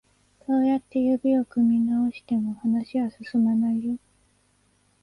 そうやって指を組み直しても、話は進まないよ。